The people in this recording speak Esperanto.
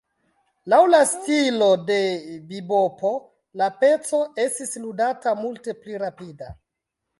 Laŭ la stilo de bibopo la peco estis ludata multe pli rapida.